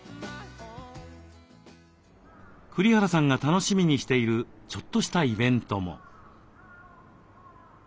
栗原さんが楽しみにしているちょっとしたイベントも。